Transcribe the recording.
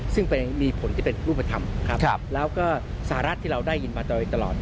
ซึ่งมีผลที่เป็นรูปธรรมครับแล้วก็สหรัฐที่เราได้ยินมาโดยตลอด